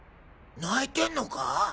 泣いてんのか？